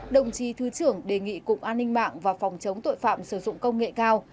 đồng chí thứ trưởng đề nghị cục an ninh mạng và phòng chống tội phạm sử dụng công nghệ cao